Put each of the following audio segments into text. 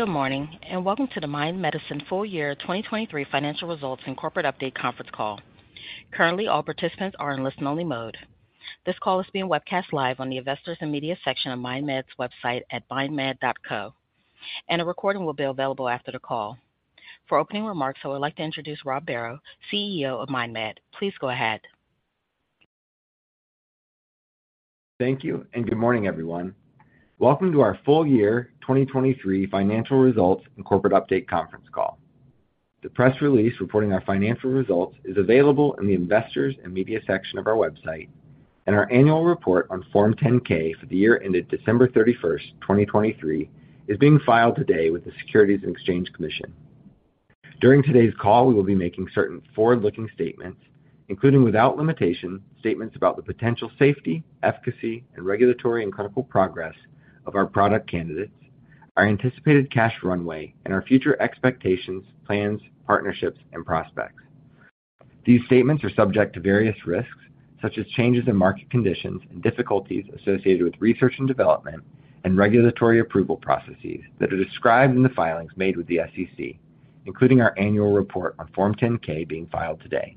Good morning and welcome to the Mind Medicine Full Year 2023 Financial Results and Corporate Update Conference Call. Currently, all participants are in listen-only mode. This call is being webcast live on the Investors and Media section of MindMed's website at mindmed.co, and a recording will be available after the call. For opening remarks, I would like to introduce Rob Barrow, CEO of MindMed. Please go ahead. Thank you and good morning, everyone. Welcome to our Full Year 2023 Financial Results and Corporate Update Conference Call. The press release reporting our financial results is available in the Investors and Media section of our website, and our annual report on Form 10-K for the year ended December 31, 2023, is being filed today with the Securities and Exchange Commission. During today's call, we will be making certain forward-looking statements, including without limitation statements about the potential safety, efficacy, and regulatory and clinical progress of our product candidates, our anticipated cash runway, and our future expectations, plans, partnerships, and prospects. These statements are subject to various risks, such as changes in market conditions and difficulties associated with research and development and regulatory approval processes that are described in the filings made with the SEC, including our annual report on Form 10-K being filed today.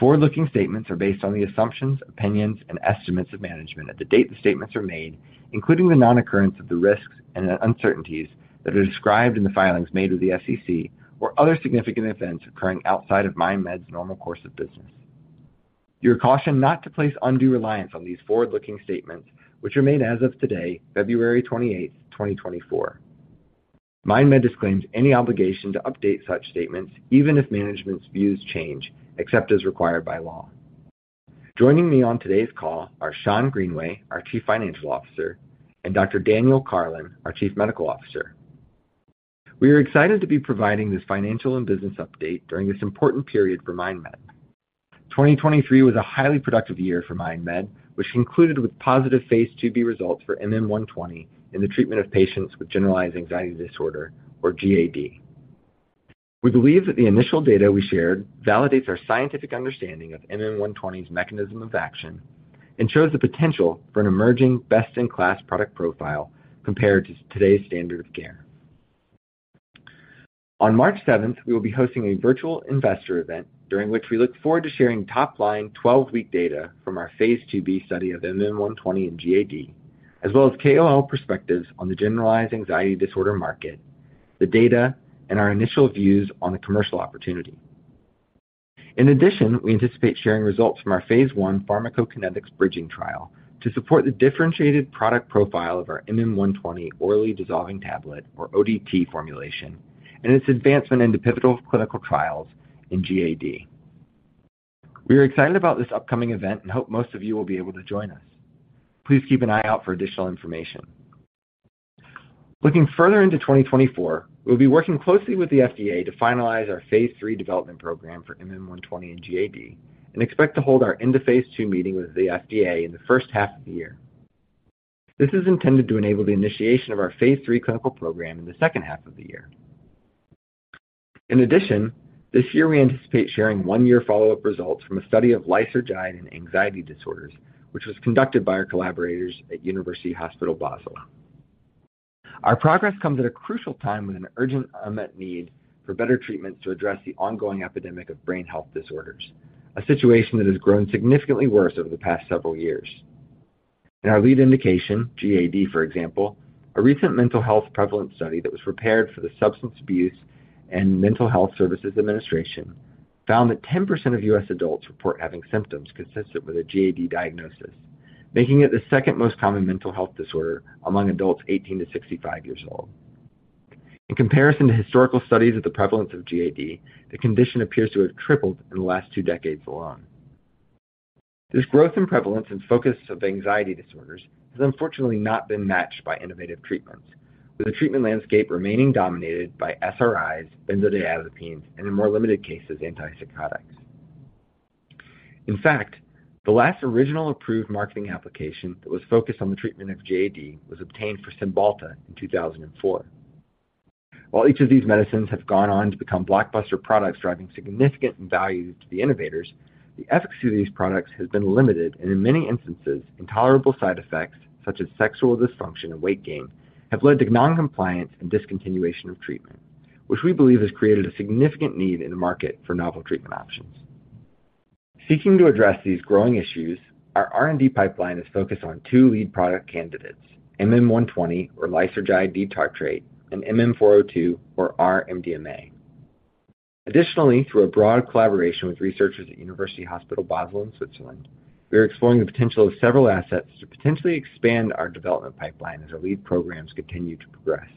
Forward-looking statements are based on the assumptions, opinions, and estimates of management at the date the statements are made, including the non-occurrence of the risks and uncertainties that are described in the filings made with the SEC or other significant events occurring outside of MindMed's normal course of business. You are cautioned not to place undue reliance on these forward-looking statements, which are made as of today, February 28, 2024. MindMed disclaims any obligation to update such statements even if management's views change, except as required by law. Joining me on today's call are Schond L. Greenway, our Chief Financial Officer, and Dr. Daniel Karlin, our Chief Medical Officer. We are excited to be providing this financial and business update during this important period for MindMed. 2023 was a highly productive year for MindMed, which concluded with positive Phase IIb results for MM120 in the treatment of patients with Generalized Anxiety Disorder, or GAD. We believe that the initial data we shared validates our scientific understanding of MM120's mechanism of action and shows the potential for an emerging best-in-class product profile compared to today's standard of care. On March 7th, we will be hosting a virtual investor event during which we look forward to sharing top-line 12-week data from our Phase IIb study of MM120 and GAD, as well as KOL perspectives on the Generalized Anxiety Disorder market, the data, and our initial views on the commercial opportunity. In addition, we anticipate sharing results from our Phase I pharmacokinetics bridging trial to support the differentiated product profile of our MM120 orally dissolving tablet, or ODT, formulation and its advancement into pivotal clinical trials in GAD. We are excited about this upcoming event and hope most of you will be able to join us. Please keep an eye out for additional information. Looking further into 2024, we will be working closely with the FDA to finalize Phase III development program for MM120 and GAD and expect to hold our end-of-Phase II meeting with the FDA in the first half of the year. This is intended to enable the initiation of Phase III clinical program in the second half of the year. In addition, this year we anticipate sharing one-year follow-up results from a study of lysergide and anxiety disorders, which was conducted by our collaborators at University Hospital Basel. Our progress comes at a crucial time with an urgent unmet need for better treatments to address the ongoing epidemic of brain health disorders, a situation that has grown significantly worse over the past several years. In our lead indication, GAD, for example, a recent mental health prevalence study that was prepared for the Substance Abuse and Mental Health Services Administration found that 10% of U.S. adults report having symptoms consistent with a GAD diagnosis, making it the second most common mental health disorder among adults 18 to 65 years old. In comparison to historical studies of the prevalence of GAD, the condition appears to have tripled in the last two decades alone. This growth in prevalence and focus of anxiety disorders has unfortunately not been matched by innovative treatments, with the treatment landscape remaining dominated by SRIs, benzodiazepines, and in more limited cases, antipsychotics. In fact, the last original approved marketing application that was focused on the treatment of GAD was obtained for Cymbalta in 2004. While each of these medicines have gone on to become blockbuster products driving significant value to the innovators, the efficacy of these products has been limited and, in many instances, intolerable side effects such as sexual dysfunction and weight gain have led to noncompliance and discontinuation of treatment, which we believe has created a significant need in the market for novel treatment options. Seeking to address these growing issues, our R&D pipeline is focused on two lead product candidates: MM120, or lysergide d-tartrate, and MM402, or R-MDMA. Additionally, through a broad collaboration with researchers at University Hospital Basel in Switzerland, we are exploring the potential of several assets to potentially expand our development pipeline as our lead programs continue to progress.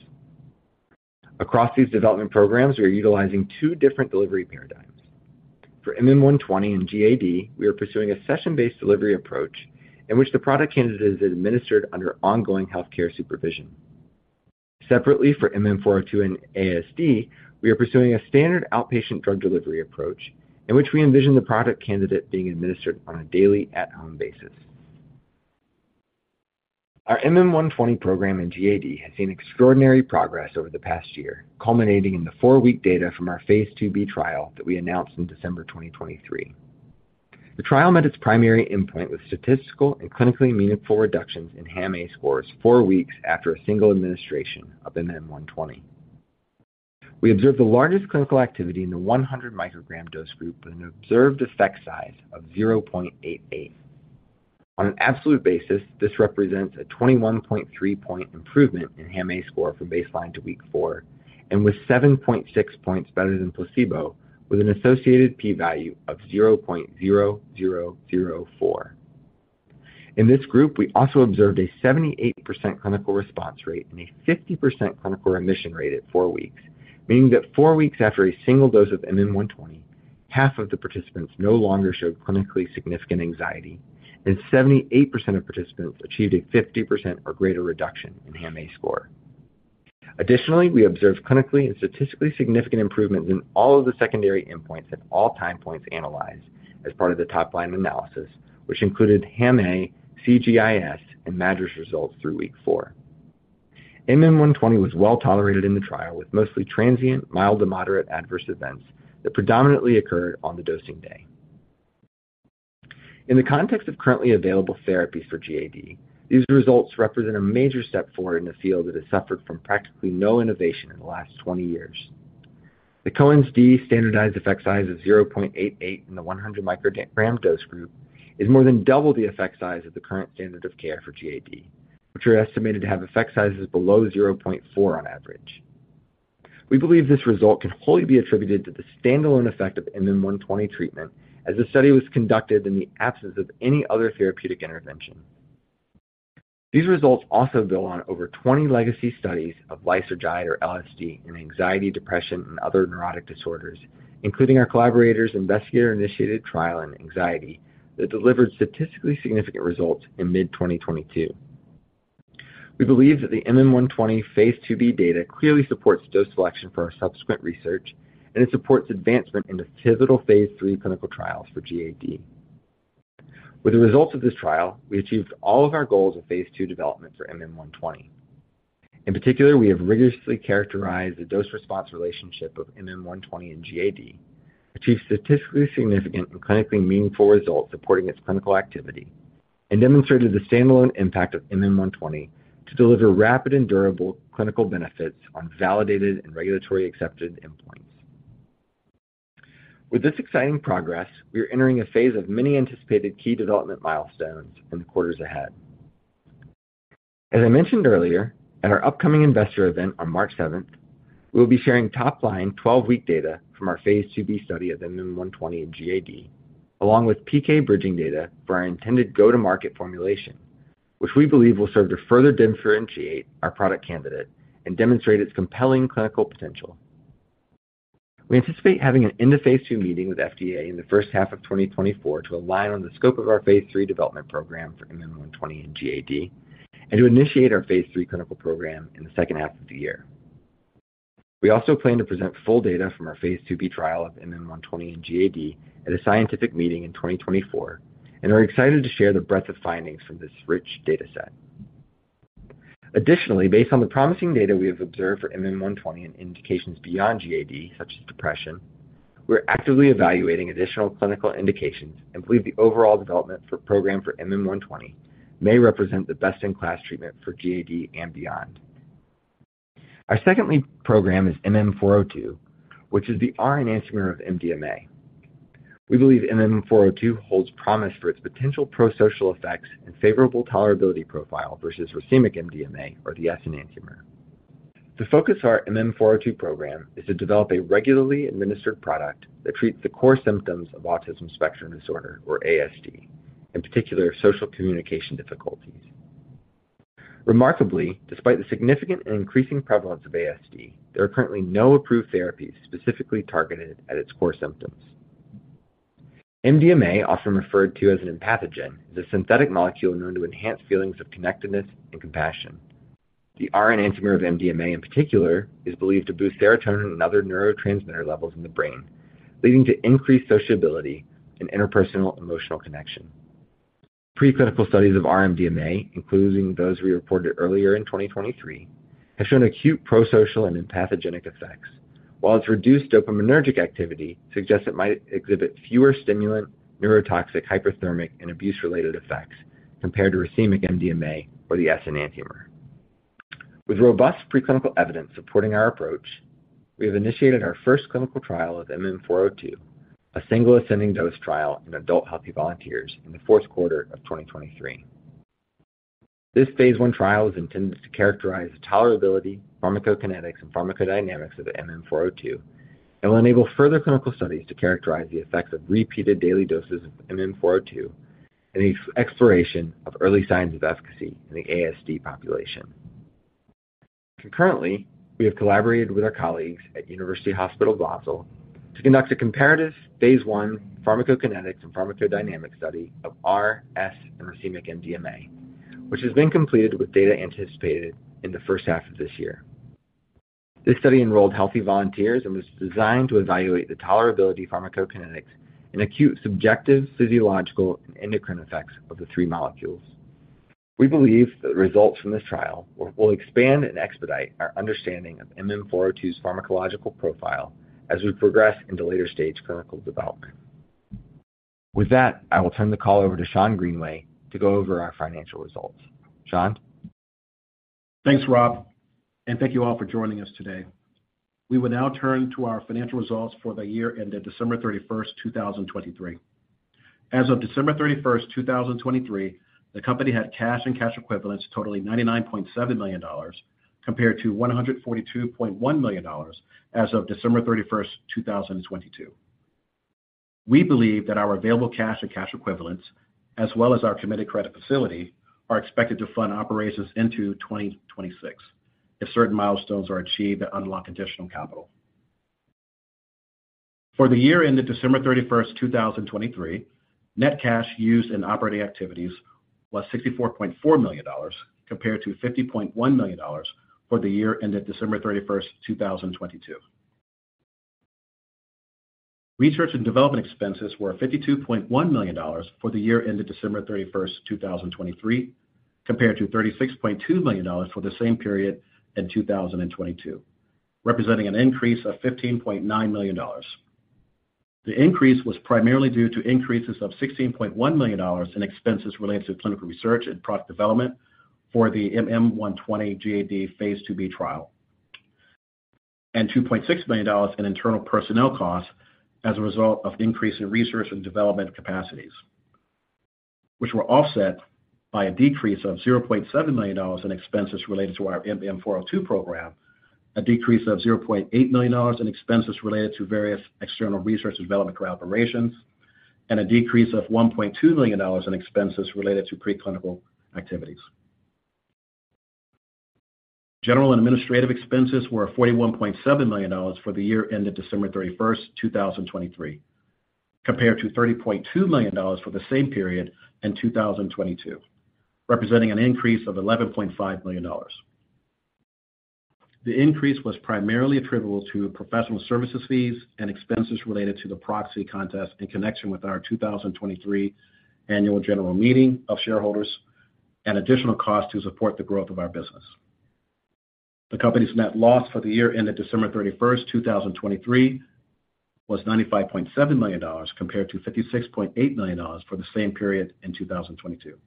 Across these development programs, we are utilizing two different delivery paradigms. For MM120 and GAD, we are pursuing a session-based delivery approach in which the product candidate is administered under ongoing healthcare supervision. Separately, for MM402 and ASD, we are pursuing a standard outpatient drug delivery approach in which we envision the product candidate being administered on a daily at-home basis. Our MM120 program in GAD has seen extraordinary progress over the past year, culminating in the four-week data from our Phase IIb trial that we announced in December 2023. The trial met its primary endpoint with statistical and clinically meaningful reductions in HAM-A scores four weeks after a single administration of MM120. We observed the largest clinical activity in the 100-microgram dose group with an observed effect size of 0.88. On an absolute basis, this represents a 21.3-point improvement in HAM-A score from baseline to week four and with 7.6 points better than placebo, with an associated p-value of 0.0004. In this group, we also observed a 78% clinical response rate and a 50% clinical remission rate at four weeks, meaning that four weeks after a single dose of MM120, half of the participants no longer showed clinically significant anxiety, and 78% of participants achieved a 50% or greater reduction in HAM-A score. Additionally, we observed clinically and statistically significant improvements in all of the secondary endpoints at all time points analyzed as part of the top-line analysis, which included HAM-A, CGI-S, and MADRS results through week four. MM120 was well tolerated in the trial, with mostly transient, mild to moderate adverse events that predominantly occurred on the dosing day. In the context of currently available therapies for GAD, these results represent a major step forward in a field that has suffered from practically no innovation in the last 20 years. The Cohen's d standardized effect size of 0.88 in the 100 microgram dose group is more than double the effect size of the current standard of care for GAD, which are estimated to have effect sizes below 0.4 on average. We believe this result can wholly be attributed to the standalone effect of MM120 treatment, as the study was conducted in the absence of any other therapeutic intervention. These results also build on over 20 legacy studies of lysergide, or LSD, in anxiety, depression, and other neurotic disorders, including our collaborators' investigator-initiated trial in anxiety that delivered statistically significant results in mid-2022. We believe that the MM120 Phase IIb data clearly supports dose selection for our subsequent research, and it supports advancement into Phase III clinical trials for GAD. With the results of this trial, we achieved all of our goals of Phase II development for MM120. In particular, we have rigorously characterized the dose-response relationship of MM120 and GAD, achieved statistically significant and clinically meaningful results supporting its clinical activity, and demonstrated the standalone impact of MM120 to deliver rapid and durable clinical benefits on validated and regulatory-accepted endpoints. With this exciting progress, we are entering a phase of many anticipated key development milestones in the quarters ahead. As I mentioned earlier, at our upcoming investor event on March 7th, we will be sharing top-line 12-week data from our Phase IIb study of MM120 and GAD, along with PK bridging data for our intended go-to-market formulation, which we believe will serve to further differentiate our product candidate and demonstrate its compelling clinical potential. We anticipate having an end-of-Phase II meeting with the FDA in the first half of 2024 to align on the scope of our Phase III development program for MM120 and GAD and to initiate our Phase III clinical program in the second half of the year. We also plan to present full data from our Phase IIb trial of MM120 and GAD at a scientific meeting in 2024 and are excited to share the breadth of findings from this rich dataset. Additionally, based on the promising data we have observed for MM120 and indications beyond GAD, such as depression, we are actively evaluating additional clinical indications and believe the overall development program for MM120 may represent the best-in-class treatment for GAD and beyond. Our second lead program is MM402, which is the R enantiomer of MDMA. We believe MM402 holds promise for its potential prosocial effects and favorable tolerability profile versus racemic MDMA, or the S enantiomer. The focus of our MM402 program is to develop a regularly administered product that treats the core symptoms of autism spectrum disorder, or ASD, in particular social communication difficulties. Remarkably, despite the significant and increasing prevalence of ASD, there are currently no approved therapies specifically targeted at its core symptoms. MDMA, often referred to as an empathogen, is a synthetic molecule known to enhance feelings of connectedness and compassion. The R enantiomer of MDMA, in particular, is believed to boost serotonin and other neurotransmitter levels in the brain, leading to increased sociability and interpersonal emotional connection. Preclinical studies of R-MDMA, including those we reported earlier in 2023, have shown acute prosocial and empathogenic effects, while its reduced dopaminergic activity suggests it might exhibit fewer stimulant, neurotoxic, hyperthermic, and abuse-related effects compared to racemic MDMA, or the S enantiomer. With robust preclinical evidence supporting our approach, we have initiated our first clinical trial of MM402, a single ascending dose trial in adult healthy volunteers in the fourth quarter of 2023. This Phase I trial is intended to characterize the tolerability, pharmacokinetics, and pharmacodynamics of MM402 and will enable further clinical studies to characterize the effects of repeated daily doses of MM402 and the exploration of early signs of efficacy in the ASD population. Concurrently, we have collaborated with our colleagues at University Hospital Basel to conduct a comparative Phase I pharmacokinetics and pharmacodynamics study of R, S, and racemic MDMA, which has been completed with data anticipated in the first half of this year. This study enrolled healthy volunteers and was designed to evaluate the tolerability, pharmacokinetics, and acute subjective physiological and endocrine effects of the three molecules. We believe that the results from this trial will expand and expedite our understanding of MM402's pharmacological profile as we progress into later-stage clinical development. With that, I will turn the call over to Schond Greenway to go over our financial results. Schond? Thanks, Rob, and thank you all for joining us today. We will now turn to our financial results for the year ended December 31st, 2023. As of December 31st, 2023, the company had cash and cash equivalents totaling $99.7 million compared to $142.1 million as of December 31st, 2022. We believe that our available cash and cash equivalents, as well as our committed credit facility, are expected to fund operations into 2026 if certain milestones are achieved that unlock additional capital. For the year ended December 31st, 2023, net cash used in operating activities was $64.4 million compared to $50.1 million for the year ended December 31st, 2022. Research and development expenses were $52.1 million for the year ended December 31st, 2023, compared to $36.2 million for the same period in 2022, representing an increase of $15.9 million. The increase was primarily due to increases of $16.1 million in expenses related to clinical research and product development for the MM120 GAD Phase IIb trial and $2.6 million in internal personnel costs as a result of increase in research and development capacities, which were offset by a decrease of $0.7 million in expenses related to our MM402 program, a decrease of $0.8 million in expenses related to various external research and development cooperations, and a decrease of $1.2 million in expenses related to preclinical activities. General and administrative expenses were $41.7 million for the year ended December 31st, 2023, compared to $30.2 million for the same period in 2022, representing an increase of $11.5 million. The increase was primarily attributable to professional services fees and expenses related to the proxy contest in connection with our 2023 annual general meeting of shareholders and additional costs to support the growth of our business. The company's net loss for the year ended December 31st, 2023, was $95.7 million compared to $56.8 million for the same period in 2022.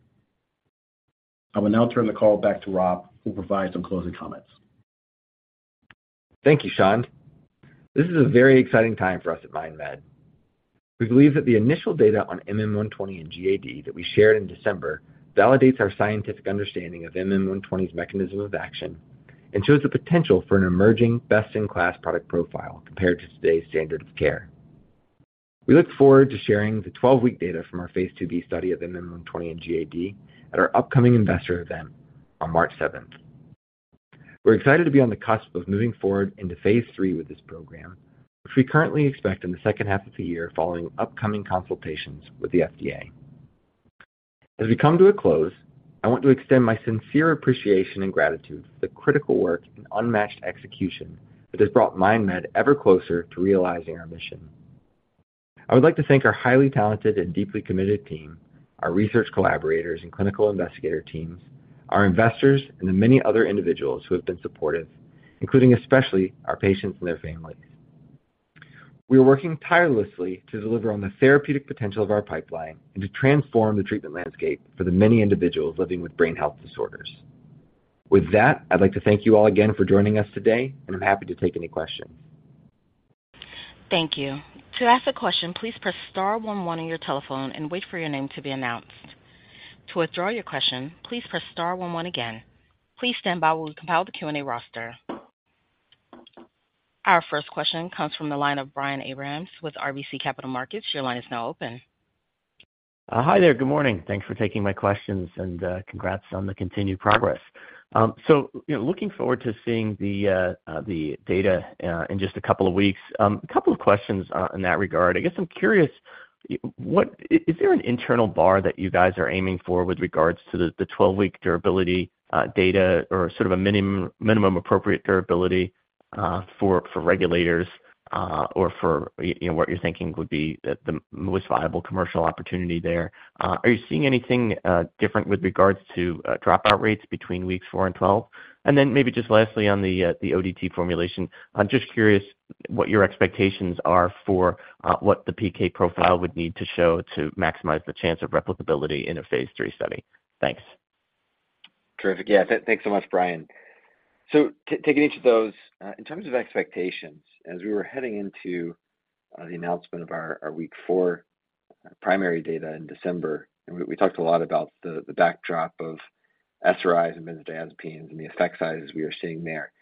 I will now turn the call back to Rob, who provides some closing comments. Thank you, Schond. This is a very exciting time for us at MindMed. We believe that the initial data on MM120 and GAD that we shared in December validates our scientific understanding of MM120's mechanism of action and shows the potential for an emerging best-in-class product profile compared to today's standard of care. We look forward to sharing the 12-week data from our Phase IIb study of MM120 and GAD at our upcoming investor event on March 7th. We're excited to be on the cusp of moving forward into Phase III with this program, which we currently expect in the second half of the year following upcoming consultations with the FDA. As we come to a close, I want to extend my sincere appreciation and gratitude for the critical work and unmatched execution that has brought MindMed ever closer to realizing our mission. I would like to thank our highly talented and deeply committed team, our research collaborators and clinical investigator teams, our investors, and the many other individuals who have been supportive, including especially our patients and their families. We are working tirelessly to deliver on the therapeutic potential of our pipeline and to transform the treatment landscape for the many individuals living with brain health disorders. With that, I'd like to thank you all again for joining us today, and I'm happy to take any questions. Thank you. To ask a question, please press star 11 on your telephone and wait for your name to be announced. To withdraw your question, please press star 11 again. Please stand by while we compile the Q&A roster. Our first question comes from the line of Brian Abrahams with RBC Capital Markets. Your line is now open. Hi there. Good morning. Thanks for taking my questions, and congrats on the continued progress. So looking forward to seeing the data in just a couple of weeks. A couple of questions in that regard. I guess I'm curious, is there an internal bar that you guys are aiming for with regards to the 12-week durability data or sort of a minimum appropriate durability for regulators or for what you're thinking would be the most viable commercial opportunity there? Are you seeing anything different with regards to dropout rates between weeks 4 and 12? And then maybe just lastly, on the ODT formulation, I'm just curious what your expectations are for what the PK profile would need to show to maximize the chance of replicability in a Phase III study. Thanks. Terrific. Yeah, thanks so much, Brian. So taking each of those, in terms of expectations, as we were heading into the announcement of our week 4 primary data in December, we talked a lot about the backdrop of SRIs and benzodiazepines and the effect sizes we are seeing there.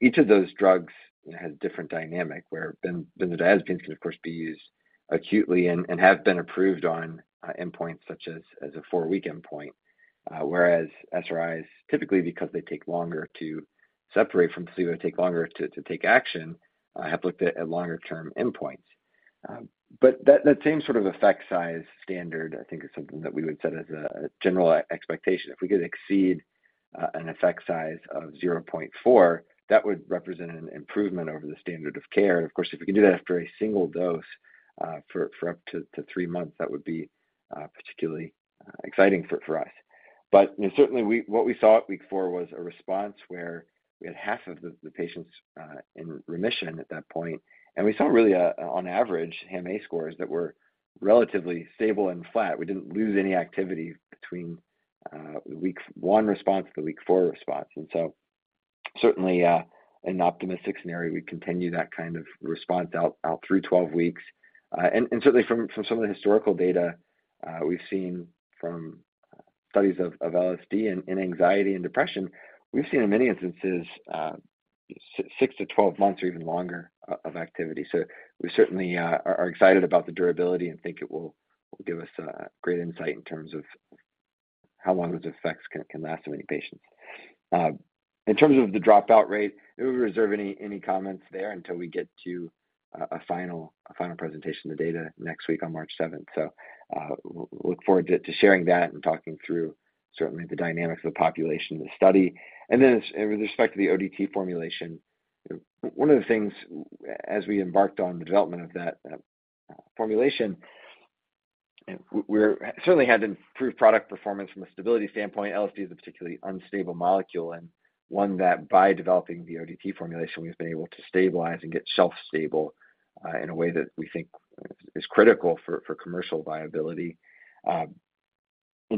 Each of those drugs has a different dynamic, where benzodiazepines can, of course, be used acutely and have been approved on endpoints such as a four-week endpoint, whereas SRIs, typically because they take longer to separate from placebo, take longer to take action, have looked at longer-term endpoints. But that same sort of effect size standard, I think, is something that we would set as a general expectation. If we could exceed an effect size of 0.4, that would represent an improvement over the standard of care. And of course, if we can do that after a single dose for up to 3 months, that would be particularly exciting for us. But certainly, what we saw at week 4 was a response where we had half of the patients in remission at that point, and we saw really, on average, HAM-A scores that were relatively stable and flat. We didn't lose any activity between week 1 response to the week 4 response. And so certainly, in an optimistic scenario, we'd continue that kind of response out through 12 weeks. And certainly, from some of the historical data we've seen from studies of LSD and anxiety and depression, we've seen in many instances 6-12 months or even longer of activity. So we certainly are excited about the durability and think it will give us great insight in terms of how long those effects can last in many patients. In terms of the dropout rate, it would reserve any comments there until we get to a final presentation of the data next week on March 7th. So we'll look forward to sharing that and talking through certainly the dynamics of the population in the study. And then with respect to the ODT formulation, one of the things as we embarked on the development of that formulation, we certainly had improved product performance from a stability standpoint. LSD is a particularly unstable molecule and one that, by developing the ODT formulation, we have been able to stabilize and get shelf stable in a way that we think is critical for commercial viability. In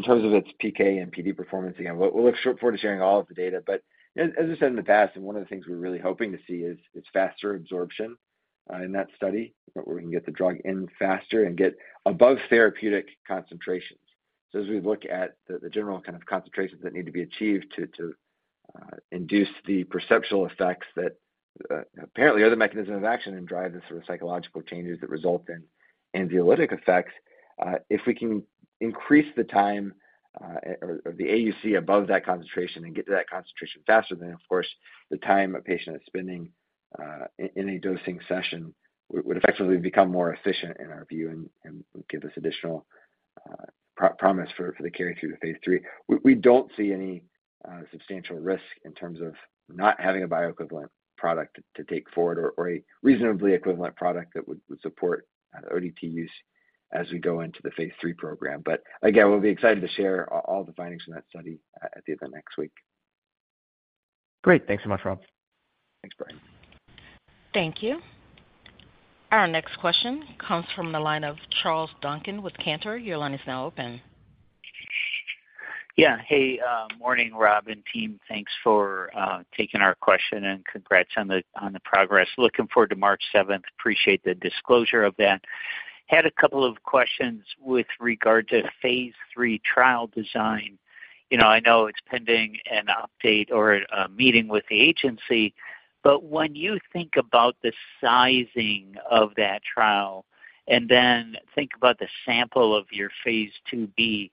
terms of its PK and PD performance, again, we'll look forward to sharing all of the data. But as I said in the past, one of the things we're really hoping to see is faster absorption in that study, where we can get the drug in faster and get above therapeutic concentrations. So as we look at the general kind of concentrations that need to be achieved to induce the perceptual effects that apparently are the mechanism of action and drive the sort of psychological changes that result in anxiolytic effects, if we can increase the time or the AUC above that concentration and get to that concentration faster, then, of course, the time a patient is spending in a dosing session would effectively become more efficient in our view and would give us additional promise for the carry-through to phase III. We don't see any substantial risk in terms of not having a bioequivalent product to take forward or a reasonably equivalent product that would support ODT use as we go into the Phase III program. But again, we'll be excited to share all the findings from that study at the event next week. Great. Thanks so much, Rob. Thanks, Brian. Thank you. Our next question comes from the line of Charles Duncan with Cantor. Your line is now open. Yeah. Hey, morning, Rob and team. Thanks for taking our question and congrats on the progress. Looking forward to March 7th. Appreciate the disclosure of that. Had a couple of questions with regard to phase III trial design. I know it's pending an update or a meeting with the agency, but when you think about the sizing of that trial and then think about the sample of your Phase IIb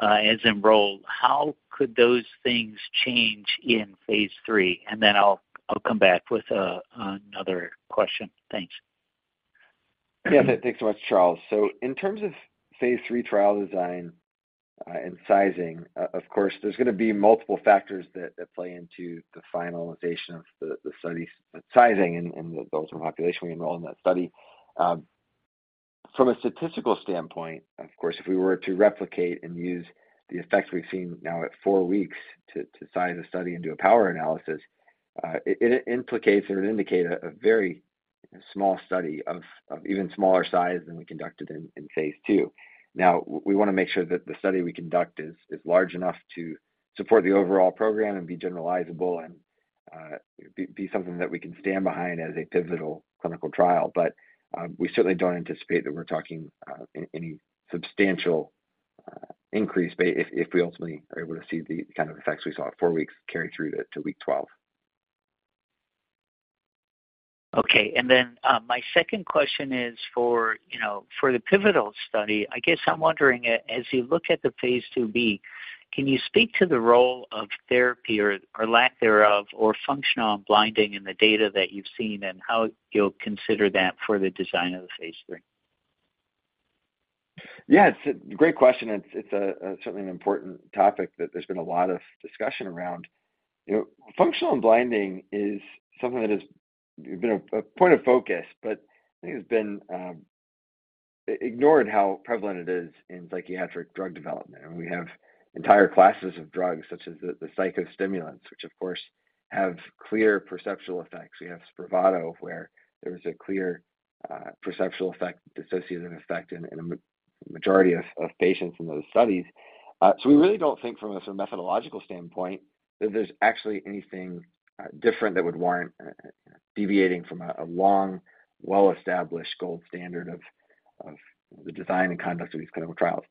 as enrolled, how could those things change in phase III? And then I'll come back with another question. Thanks. Yeah. Thanks so much, Charles. So in terms of phase III trial design and sizing, of course, there's going to be multiple factors that play into the finalization of the study's sizing and the ultimate population we enroll in that study. From a statistical standpoint, of course, if we were to replicate and use the effects we've seen now at four weeks to size a study and do a power analysis, it implicates or would indicate a very small study of even smaller size than we conducted in phase II. Now, we want to make sure that the study we conduct is large enough to support the overall program and be generalizable and be something that we can stand behind as a pivotal clinical trial. But we certainly don't anticipate that we're talking any substantial increase if we ultimately are able to see the kind of effects we saw at 4 weeks carry through to week 12. Okay. And then my second question is for the pivotal study, I guess I'm wondering, as you look at the Phase IIb, can you speak to the role of therapy or lack thereof or functional blinding in the data that you've seen and how you'll consider that for the design of the Phase III? Yeah. It's a great question. It's certainly an important topic that there's been a lot of discussion around. Functional blinding is something that has been a point of focus, but I think it's been ignored how prevalent it is in psychiatric drug development. I mean, we have entire classes of drugs such as the psychostimulants, which, of course, have clear perceptual effects. We have Spravato, where there was a clear perceptual effect, dissociative effect, in a majority of patients in those studies. So we really don't think, from a methodological standpoint, that there's actually anything different that would warrant deviating from a long, well-established gold standard of the design and conduct of these clinical trials.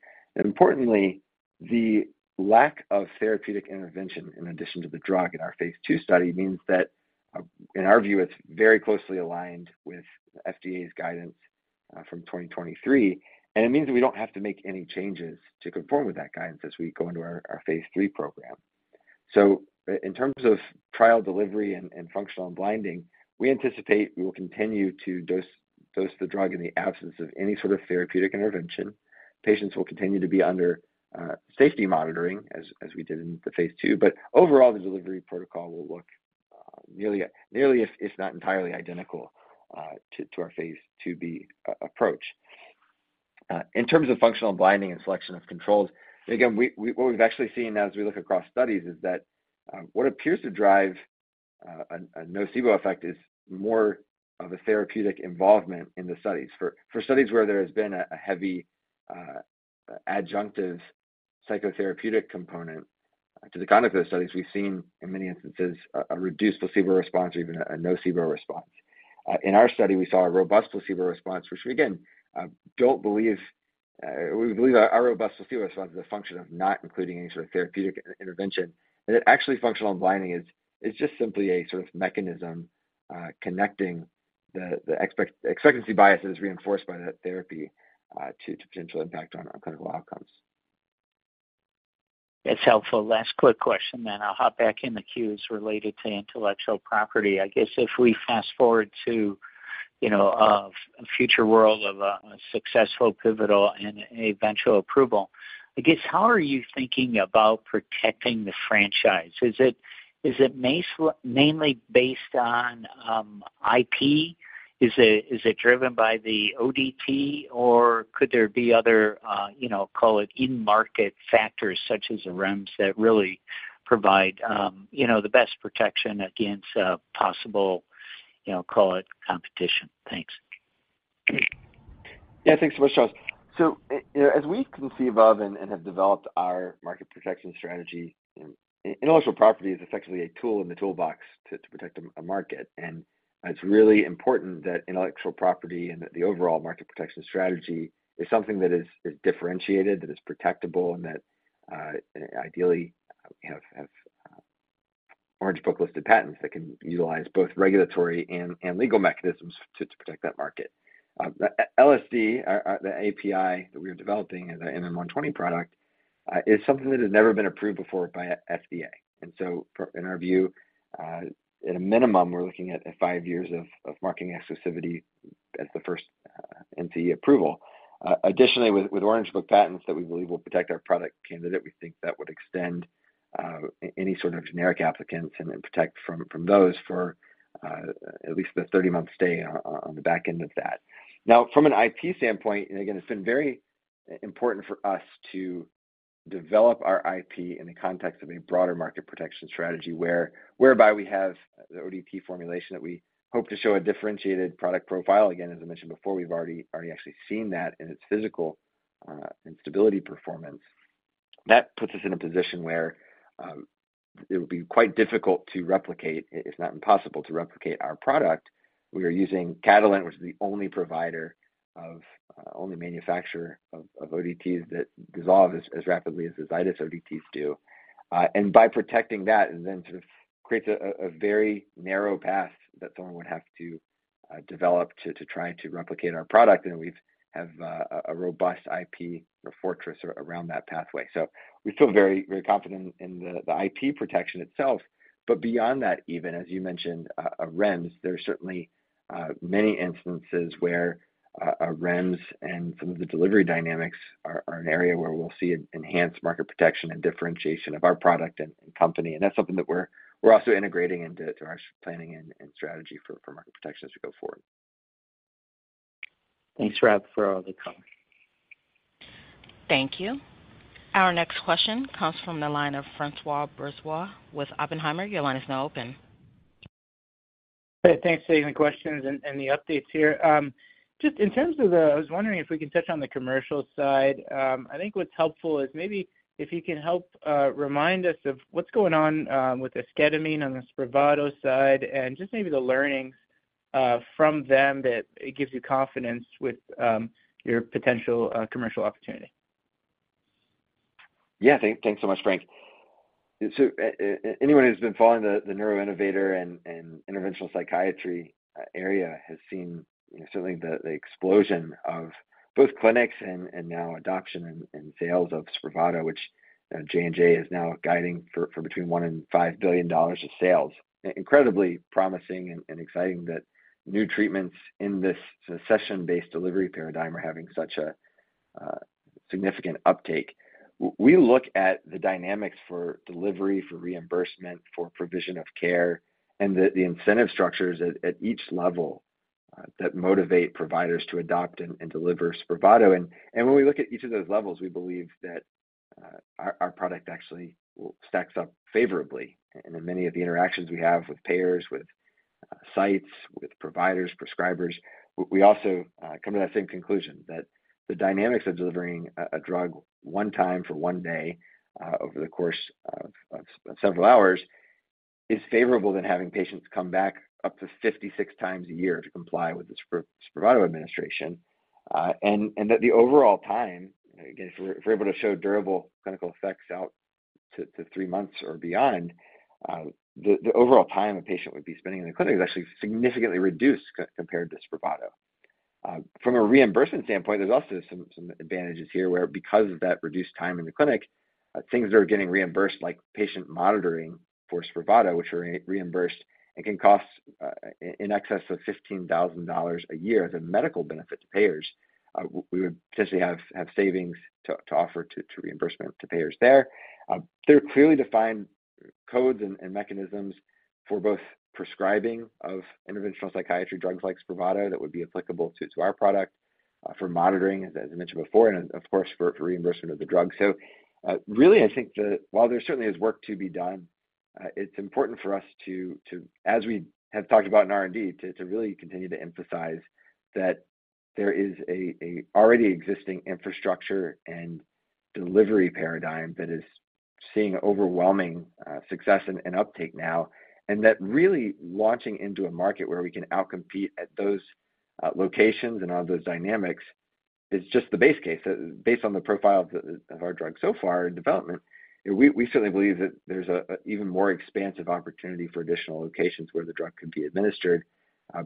Importantly, the lack of therapeutic intervention in addition to the drug in our Phase II study means that, in our view, it's very closely aligned with the FDA's guidance from 2023. It means that we don't have to make any changes to conform with that guidance as we go into our Phase III program. In terms of trial delivery and functional blinding, we anticipate we will continue to dose the drug in the absence of any sort of therapeutic intervention. Patients will continue to be under safety monitoring as we did in the Phase II, but overall, the delivery protocol will look nearly, if not entirely, identical to our Phase IIb approach. In terms of functional blinding and selection of controls, again, what we've actually seen as we look across studies is that what appears to drive a nocebo effect is more of a therapeutic involvement in the studies. For studies where there has been a heavy adjunctive psychotherapeutic component to the conduct of those studies, we've seen, in many instances, a reduced placebo response or even a nocebo response. In our study, we saw a robust placebo response, which we, again, don't believe our robust placebo response is a function of not including any sort of therapeutic intervention. Actually, functional blinding is just simply a sort of mechanism connecting the expectancy bias that is reinforced by that therapy to potential impact on clinical outcomes. That's helpful. Last quick question then. I'll hop back in the queues related to intellectual property. I guess if we fast forward to a future world of a successful pivotal and eventual approval, I guess how are you thinking about protecting the franchise? Is it mainly based on IP? Is it driven by the ODT, or could there be other, call it, in-market factors such as the REMS that really provide the best protection against possible, call it, competition? Thanks. Yeah. Thanks so much, Charles. As we conceive of and have developed our market protection strategy, intellectual property is effectively a tool in the toolbox to protect a market. It's really important that intellectual property and that the overall market protection strategy is something that is differentiated, that is protectable, and that ideally have Orange Book listed patents that can utilize both regulatory and legal mechanisms to protect that market. LSD, the API that we are developing as our MM120 product, is something that has never been approved before by FDA. In our view, at a minimum, we're looking at five years of marketing exclusivity as the first NCE approval. Additionally, with Orange Book patents that we believe will protect our product candidate, we think that would extend any sort of generic applicants and protect from those for at least the 30-month stay on the back end of that. Now, from an IP standpoint, again, it's been very important for us to develop our IP in the context of a broader market protection strategy whereby we have the ODT formulation that we hope to show a differentiated product profile. Again, as I mentioned before, we've already actually seen that in its physical and stability performance. That puts us in a position where it would be quite difficult to replicate, if not impossible, to replicate our product. We are using Catalent, which is the only provider of only manufacturer of ODTs that dissolve as rapidly as the Zydis ODTs do. By protecting that, it then sort of creates a very narrow path that someone would have to develop to try to replicate our product. We have a robust IP fortress around that pathway. We feel very, very confident in the IP protection itself. Beyond that, even, as you mentioned, a REMS, there are certainly many instances where a REMS and some of the delivery dynamics are an area where we'll see enhanced market protection and differentiation of our product and company. That's something that we're also integrating into our planning and strategy for market protection as we go forward. Thanks, Rob, for all the comments. Thank you. Our next question comes from the line of François Brisebois with Oppenheimer. Your line is now open. Hey. Thanks for taking the questions and the updates here. Just in terms of the, I was wondering if we can touch on the commercial side. I think what's helpful is maybe if you can help remind us of what's going on with esketamine on the Spravato side and just maybe the learnings from them that gives you confidence with your potential commercial opportunity. Yeah. Thanks so much, Frank. So anyone who's been following the neuroinnovator and interventional psychiatry area has seen certainly the explosion of both clinics and now adoption and sales of Spravato, which J&J is now guiding for between $1 billion and $5 billion of sales. Incredibly promising and exciting that new treatments in this session-based delivery paradigm are having such a significant uptake. We look at the dynamics for delivery, for reimbursement, for provision of care, and the incentive structures at each level that motivate providers to adopt and deliver Spravato. And when we look at each of those levels, we believe that our product actually stacks up favorably. In many of the interactions we have with payers, with sites, with providers, prescribers, we also come to that same conclusion that the dynamics of delivering a drug one time for one day over the course of several hours is favorable than having patients come back up to 56 times a year to comply with the Spravato administration and that the overall time again, if we're able to show durable clinical effects out to three months or beyond, the overall time a patient would be spending in the clinic is actually significantly reduced compared to Spravato. From a reimbursement standpoint, there's also some advantages here where, because of that reduced time in the clinic, things that are getting reimbursed, like patient monitoring for Spravato, which are reimbursed and can cost in excess of $15,000 a year as a medical benefit to payers, we would potentially have savings to offer to reimbursement to payers there. There are clearly defined codes and mechanisms for both prescribing of interventional psychiatry drugs like Spravato that would be applicable to our product, for monitoring, as I mentioned before, and, of course, for reimbursement of the drug. So really, I think that while there certainly is work to be done, it's important for us to, as we have talked about in R&D, to really continue to emphasize that there is an already existing infrastructure and delivery paradigm that is seeing overwhelming success and uptake now, and that really launching into a market where we can outcompete at those locations and on those dynamics is just the base case. Based on the profile of our drug so far in development, we certainly believe that there's an even more expansive opportunity for additional locations where the drug can be administered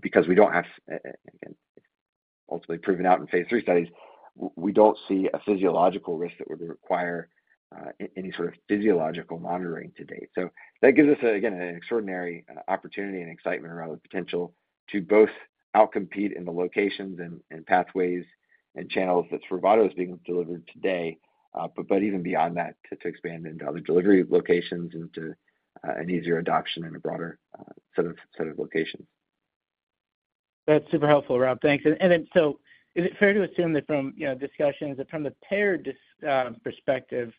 because we don't have again, it's ultimately proven out in Phase III studies. We don't see a physiological risk that would require any sort of physiological monitoring to date. That gives us, again, an extraordinary opportunity and excitement around the potential to both outcompete in the locations and pathways and channels that Spravato is being delivered today, but even beyond that, to expand into other delivery locations and to an easier adoption in a broader set of locations. That's super helpful, Rob. Thanks. And then so is it fair to assume that from discussions, that from the payer perspective,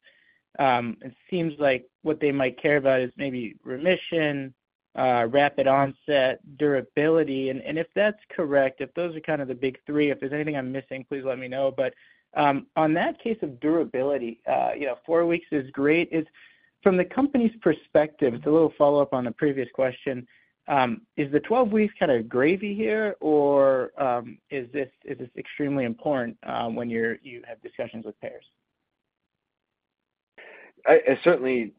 it seems like what they might care about is maybe remission, rapid onset, durability? And if that's correct, if those are kind of the big three, if there's anything I'm missing, please let me know. But on that case of durability, four weeks is great. From the company's perspective, it's a little follow-up on the previous question, is the 12-week kind of gravy here, or is this extremely important when you have discussions with payers? Certainly,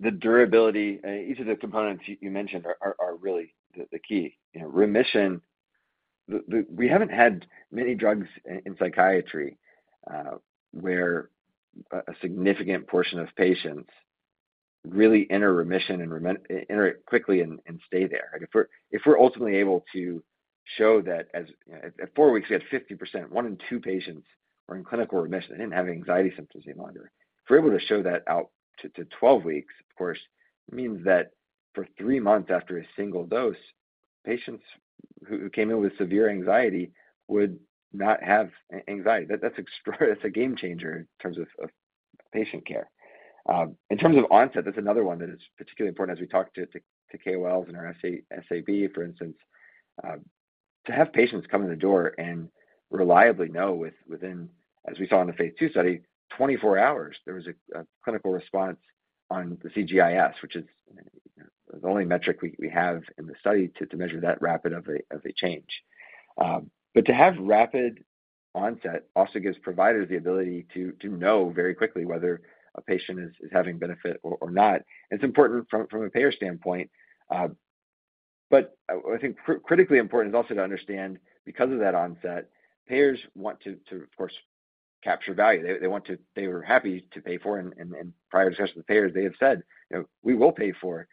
the durability, each of the components you mentioned are really the key. Remission, we haven't had many drugs in psychiatry where a significant portion of patients really enter remission and enter it quickly and stay there. If we're ultimately able to show that at four weeks, we had 50%, one in two patients were in clinical remission. They didn't have anxiety symptoms any longer. If we're able to show that out to 12 weeks, of course, it means that for three months after a single dose, patients who came in with severe anxiety would not have anxiety. That's a game changer in terms of patient care. In terms of onset, that's another one that is particularly important as we talk to KOLs and our SAB, for instance, to have patients come in the door and reliably know within, as we saw in the Phase II study, 24 hours, there was a clinical response on the CGI-S, which is the only metric we have in the study to measure that rapid of a change. But to have rapid onset also gives providers the ability to know very quickly whether a patient is having benefit or not. And it's important from a payer standpoint. But I think critically important is also to understand, because of that onset, payers want to, of course, capture value. They were happy to pay for. And in prior discussions with payers, they have said, "We will pay for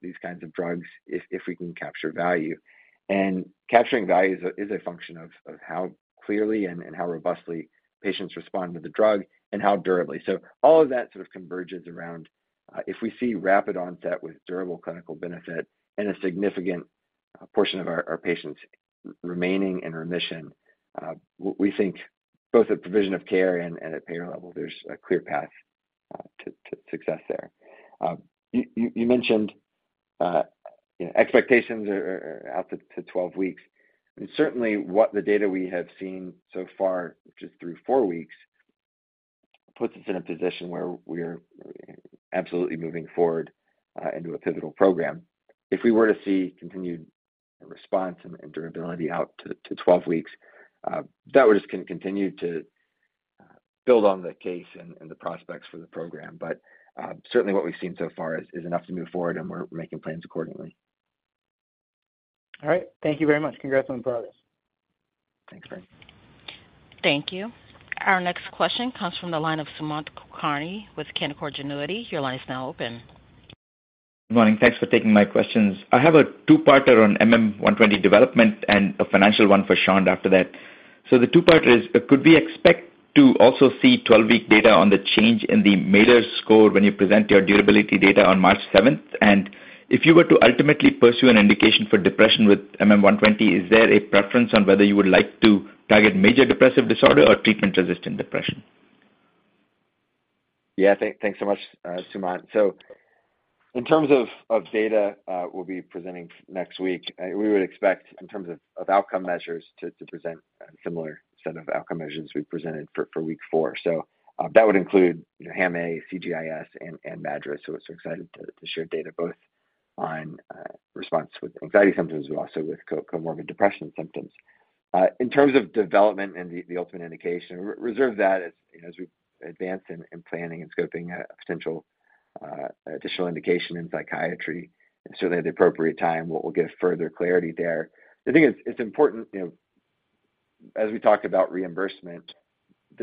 these kinds of drugs if we can capture value." And capturing value is a function of how clearly and how robustly patients respond to the drug and how durably. So all of that sort of converges around if we see rapid onset with durable clinical benefit and a significant portion of our patients remaining in remission, we think both at provision of care and at payer level, there's a clear path to success there. You mentioned expectations are out to 12 weeks. Certainly, what the data we have seen so far just through 4 weeks puts us in a position where we are absolutely moving forward into a pivotal program. If we were to see continued response and durability out to 12 weeks, that would just continue to build on the case and the prospects for the program. But certainly, what we've seen so far is enough to move forward, and we're making plans accordingly. All right. Thank you very much. Congrats on the progress. Thanks, Frank. Thank you. Our next question comes from the line of Sumant Kulkarni with Canaccord Genuity. Your line is now open. Good morning. Thanks for taking my questions. I have a two-parter on MM120 development and a financial one for Schond after that. So the two-parter is, could we expect to also see 12-week data on the change in the MADRS score when you present your durability data on March 7th? And if you were to ultimately pursue an indication for depression with MM120, is there a preference on whether you would like to target major depressive disorder or treatment-resistant depression? Yeah. Thanks so much, Sumant. So in terms of data we'll be presenting next week, we would expect, in terms of outcome measures, to present a similar set of outcome measures as we presented for week four. So that would include HAM-A, CGI-S, and MADRS. So we're excited to share data both on response with anxiety symptoms but also with comorbid depression symptoms. In terms of development and the ultimate indication, reserve that as we advance in planning and scoping a potential additional indication in psychiatry. Certainly, at the appropriate time, we'll give further clarity there. The thing is, it's important, as we talked about reimbursement,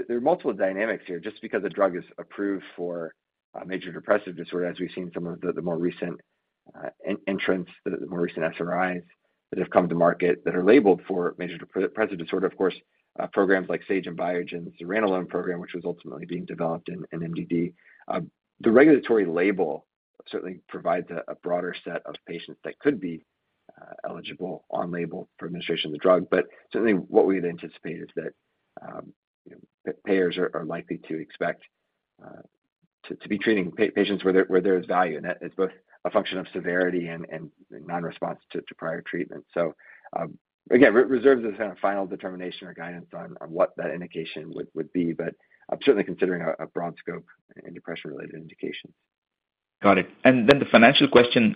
there are multiple dynamics here. Just because a drug is approved for major depressive disorder, as we've seen some of the more recent entrants, the more recent SRIs that have come to market that are labeled for major depressive disorder, of course, programs like Sage and Biogen, the zuranolone program, which was ultimately being developed in MDD, the regulatory label certainly provides a broader set of patients that could be eligible on label for administration of the drug. But certainly, what we'd anticipate is that payers are likely to expect to be treating patients where there is value. And that is both a function of severity and non-response to prior treatment. So again, reserves as kind of final determination or guidance on what that indication would be, but certainly considering a broad scope and depression-related indications. Got it. And then the financial question,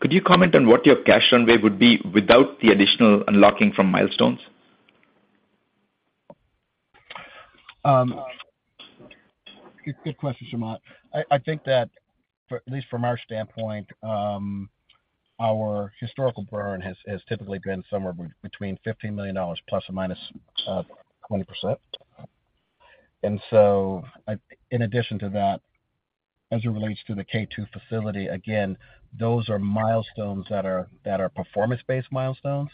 could you comment on what your cash runway would be without the additional unlocking from milestones? Good question, Sumant. I think that, at least from our standpoint, our historical burn has typically been somewhere between $15 million ±20%. And so in addition to that, as it relates to the K2 facility, again, those are milestones that are performance-based milestones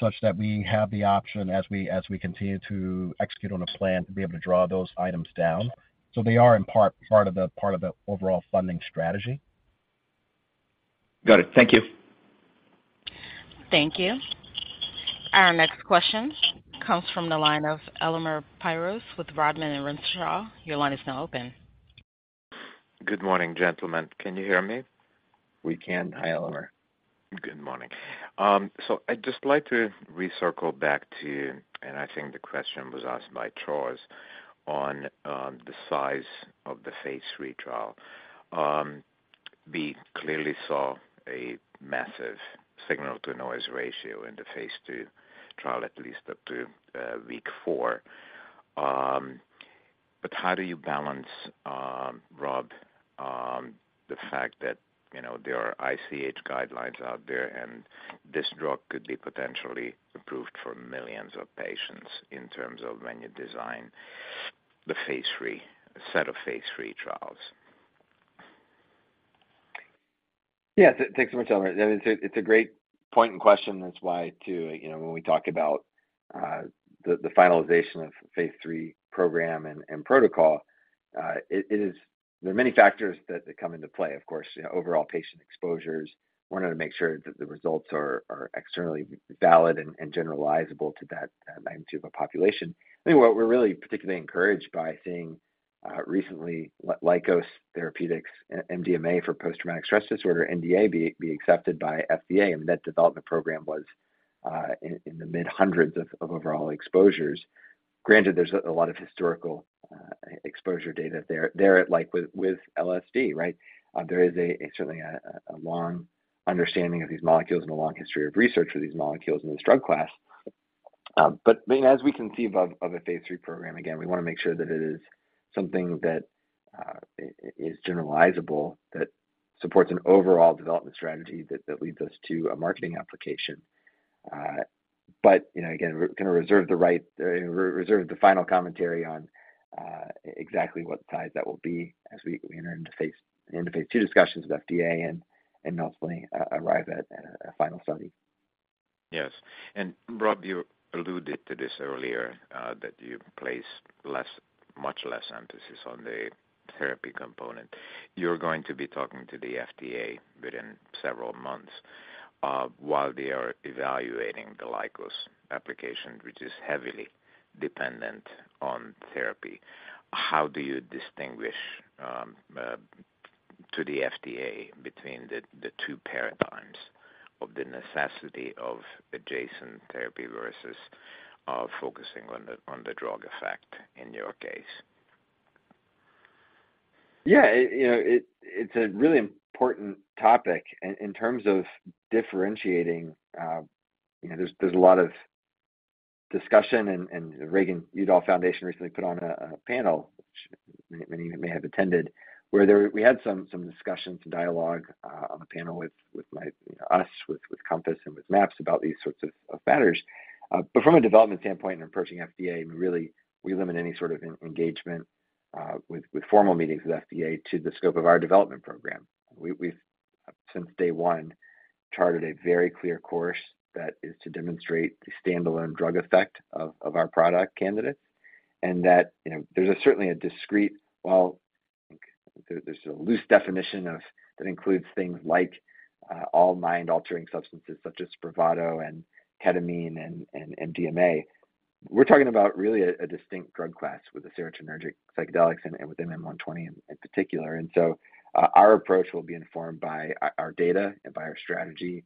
such that we have the option, as we continue to execute on a plan, to be able to draw those items down. So they are in part of the overall funding strategy. Got it. Thank you. Thank you. Our next question comes from the line of Elemer Piros with Rodman & Renshaw. Your line is now open. Good morning, gentlemen. Can you hear me? We can. Hi, Elemer. Good morning. So I'd just like to recircle back to and I think the question was asked by François on the size of the phase III trial. We clearly saw a massive signal-to-noise ratio in the phase II trial, at least up to week four. But how do you balance, Rob, the fact that there are ICH guidelines out there, and this drug could be potentially approved for millions of patients in terms of when you design the set of phase III trials? Yeah. Thanks so much, Elemer. I mean, it's a great point and question. That's why, too, when we talk about the finalization Phase III program and protocol, there are many factors that come into play, of course, overall patient exposures. We wanted to make sure that the results are externally valid and generalizable to that magnitude of a population. I mean, what we're really particularly encouraged by seeing recently, Lykos Therapeutics, MDMA for post-traumatic stress disorder, NDA, be accepted by FDA. I mean, that development program was in the mid-hundreds of overall exposures. Granted, there's a lot of historical exposure data there, like with LSD, right? There is certainly a long understanding of these molecules and a long history of research for these molecules in this drug class. But I mean, as we conceive of Phase III program, again, we want to make sure that it is something that is generalizable, that supports an overall development strategy that leads us to a marketing application. But again, we're going to reserve the right to reserve the final commentary on exactly what size that will be as we enter into Phase II discussions with FDA and ultimately arrive at a final study. Yes. And Rob, you alluded to this earlier, that you place much less emphasis on the therapy component. You're going to be talking to the FDA within several months while they are evaluating the Lykos application, which is heavily dependent on therapy. How do you distinguish to the FDA between the two paradigms of the necessity of adjacent therapy versus focusing on the drug effect in your case? Yeah. It's a really important topic in terms of differentiating. There's a lot of discussion. Reagan-Udall Foundation recently put on a panel, which many of you may have attended, where we had some discussions, some dialogue on the panel with us, with Compass, and with MAPS about these sorts of matters. From a development standpoint and approaching FDA, I mean, really, we limit any sort of engagement with formal meetings with FDA to the scope of our development program. We've, since day one, charted a very clear course that is to demonstrate the standalone drug effect of our product candidates and that there's certainly a discrete, while there's a loose definition that includes things like all mind-altering substances such as Spravato and ketamine and MDMA, we're talking about really a distinct drug class with the serotonergic psychedelics and with MM120 in particular. So our approach will be informed by our data and by our strategy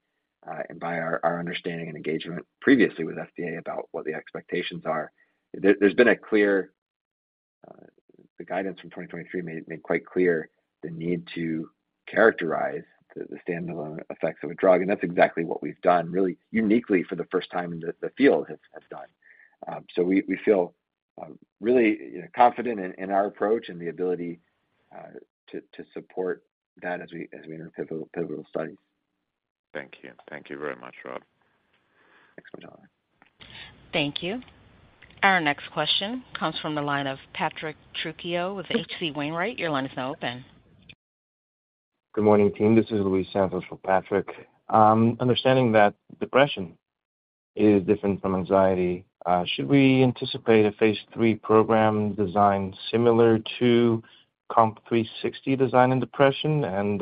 and by our understanding and engagement previously with FDA about what the expectations are. There's been clear guidance from 2023 made quite clear the need to characterize the standalone effects of a drug. That's exactly what we've done, really uniquely for the first time in the field. So we feel really confident in our approach and the ability to support that as we enter pivotal studies. Thank you. Thank you very much, Rob. Thanks so much, Elemer. Thank you. Our next question comes from the line of Patrick Trucchio with H.C. Wainwright. Your line is now open. Good morning, team. This is Luis Santos from Patrick. Understanding that depression is different from anxiety, should we anticipate a Phase III program designed similar to COMP360 design in depression? And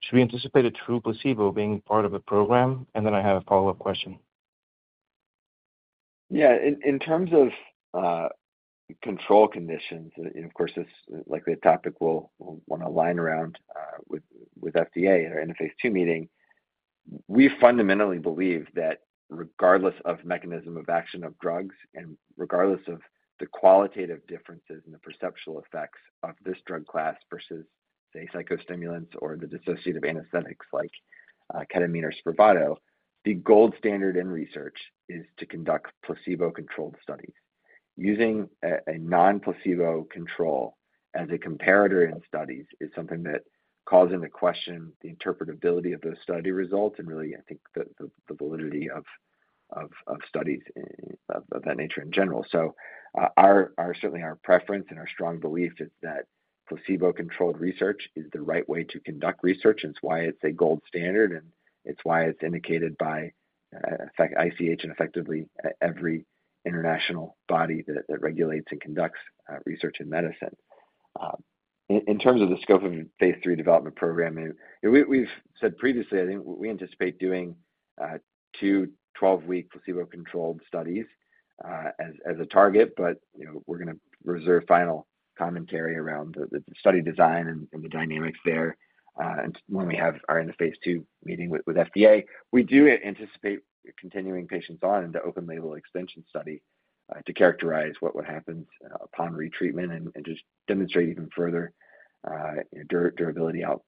should we anticipate a true placebo being part of the program? And then I have a follow-up question. Yeah. In terms of control conditions, of course, that's likely a topic we'll want to iron out with FDA at our end-of-Phase II meeting. We fundamentally believe that regardless of mechanism of action of drugs and regardless of the qualitative differences and the perceptual effects of this drug class versus, say, psychostimulants or the dissociative anesthetics like ketamine or Spravato, the gold standard in research is to conduct placebo-controlled studies. Using a non-placebo control as a comparator in studies is something that calls into question the interpretability of those study results and really, I think, the validity of studies of that nature in general. So certainly, our preference and our strong belief is that placebo-controlled research is the right way to conduct research. And it's why it's a gold standard, and it's why it's indicated by ICH and effectively every international body that regulates and conducts research in medicine. In terms of the scope of the Phase III development program, we've said previously, I think we anticipate doing two 12-week placebo-controlled studies as a target, but we're going to reserve final commentary around the study design and the dynamics there when we have our end-of-Phase II meeting with FDA. We do anticipate continuing patients on in the open-label extension study to characterize what would happen upon retreatment and just demonstrate even further durability out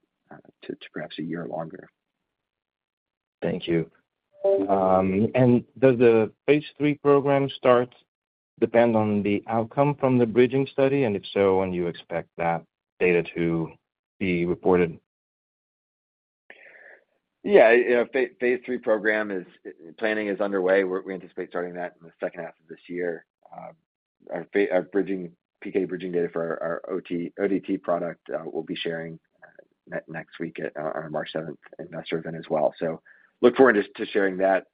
to perhaps a year longer. Thank you. Does Phase III program start depend on the outcome from the bridging study? If so, when do you expect that data to be reported? Phase III program planning is underway. We anticipate starting that in the second half of this year. Our PK bridging data for our ODT product we'll be sharing next week on our March 7th investor event as well. So look forward to sharing that.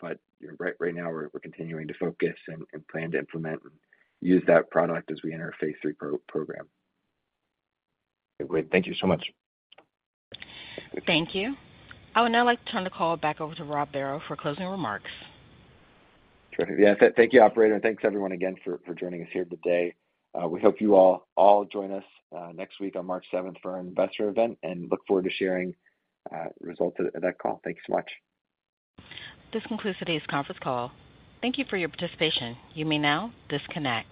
But right now, we're continuing to focus and plan to implement and use that product as we Phase III program. Great. Thank you so much. Thank you. I would now like to turn the call back over to Rob Barrow for closing remarks. Terrific. Yeah. Thank you, operator. Thanks, everyone, again for joining us here today. We hope you all join us next week on March 7th for our investor event and look forward to sharing results at that call. Thank you so much. This concludes today's conference call. Thank you for your participation. You may now disconnect.